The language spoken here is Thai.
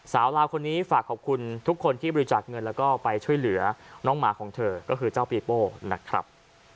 สาวลาวคนนี้ฝากขอบคุณทุกคนที่บริจาคเงินแล้วก็ไปช่วยเหลือน้องหมาของเธอก็คือเจ้าปีโป้นะครับ